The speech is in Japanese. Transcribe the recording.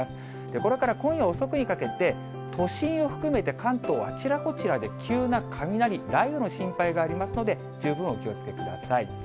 これから今夜遅くにかけて、都心を含めて、関東、あちらこちらで急な雷、雷雨の心配がありますので、十分お気をつけください。